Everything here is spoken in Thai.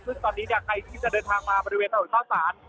ซึ่งตอนนี้ใครที่จะเดินทางมาบริเวณทะวันเท้าสาน